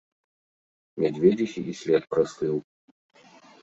Мядзведзіхі і след прастыў.